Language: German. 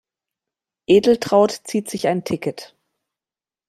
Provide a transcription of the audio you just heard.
Edeltraud zieht sich ein Ticket.